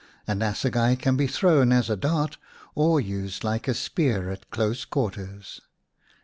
An assegai can be thrown as a dart or used like a spear at close quarters.